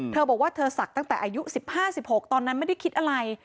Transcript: เธอบอกว่าเธอศักดิ์ตั้งแต่อายุ๑๕๑๖ตอนนั้นไม่ได้คิดอะไร